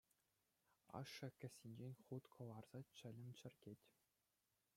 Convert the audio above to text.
Ашшӗ кӗсйинчен хут кӑларса чӗлӗм чӗркет.